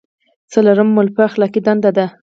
څلورمه مولفه اخلاقي دنده ده.